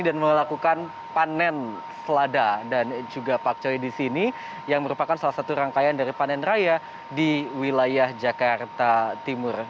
dan melakukan panen selada dan juga pakcoy di sini yang merupakan salah satu rangkaian dari panen raya di wilayah jakarta timur